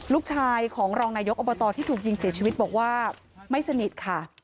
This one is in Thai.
ลูกชายของรองนายกอบตที่ถูกยิงเสียชีวิตบอกว่าไม่สนิทค่ะ